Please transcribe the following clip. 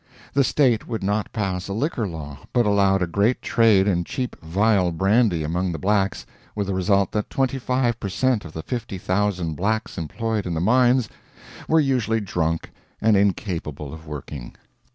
The State would not pass a liquor law; but allowed a great trade in cheap vile brandy among the blacks, with the result that 25 per cent. of the 50,000 blacks employed in the mines were usually drunk and incapable of working.